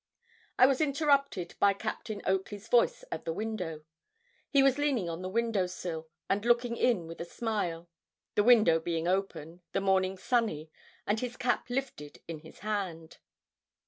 I was interrupted by Captain Oakley's voice at the window. He was leaning on the window sill, and looking in with a smile the window being open, the morning sunny, and his cap lifted in his hand.